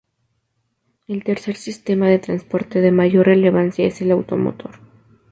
El tercer sistema de transporte de mayor relevancia es el automotor.